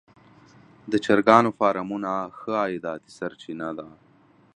د چرګانو فارمونه ښه عایداتي سرچینه ده.